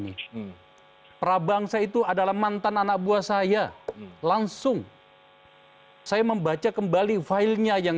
narapidan teroris dan